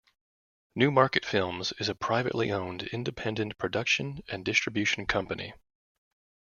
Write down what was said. Newmarket Films is a privately owned independent production and distribution company.